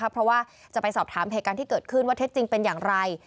เพราะว่าจะไปสอบถามเหตุการณ์ที่เกิดขึ้นว่าเท็จจริงเป็นอย่างไร